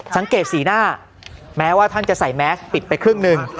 สังเกตสีหน้าแม้ว่าท่านจะใส่แมสปิดไปครึ่งหนึ่ง